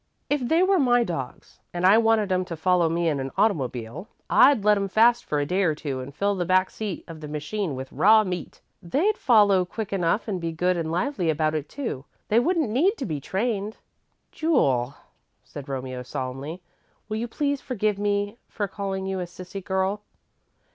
"If they were my dogs and I wanted 'em to follow me in an automobile, I'd let 'em fast for a day or two and fill the back seat of the machine with raw meat. They'd follow quick enough and be good and lively about it, too. They wouldn't need to be trained." "Jule," said Romeo, solemnly, "will you please forgive me for calling you a 'sissy girl'?"